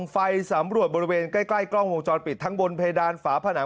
ไฟสำรวจบริเวณใกล้กล้องวงจรปิดทั้งบนเพดานฝาผนัง